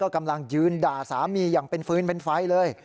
กำลังยืนด่าสามีอย่างเป็นฟืนเป็นไฟเลย